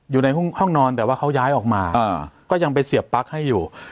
อยู่ในห้องนอนแต่ว่าเขาย้ายออกมาก็ยังไปเสียบปลั๊กให้อยู่